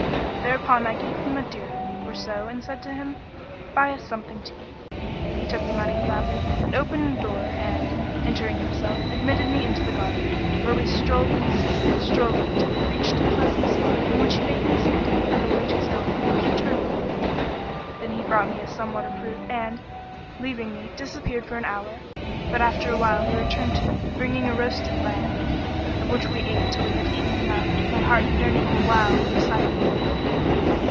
Thereupon I gave him a dirham or so and said to him, Buy us something to eat.' He took the money gladly and opened door and, entering himself, admitted me into the garden, where we strolled and ceased not strolling till we reached a pleasant spot in which he bade me sit down and await his going and his returning. Then he brought me somewhat of fruit and, leaving me, disappeared for an hour; but after a while he returned to me bringing a roasted lamb, of which we ate till we had eaten enough, my heart yearning the while for a sight of the lady.